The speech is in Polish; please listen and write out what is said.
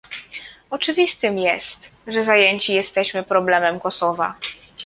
Oczywistym jest, że zajęci jesteśmy problemem Kosowa